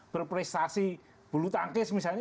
berprestasi bulu tangkis misalnya